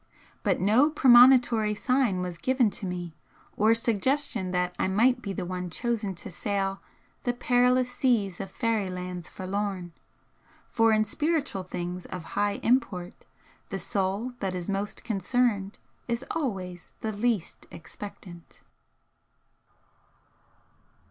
But no premonitory sign was given to me, or suggestion that I might be the one chosen to sail 'the perilous seas of fairy lands forlorn' for in spiritual things of high import, the soul that is most concerned is always the least expectant.